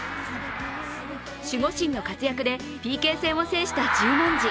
守護神の活躍でＰＫ戦を制した十文字。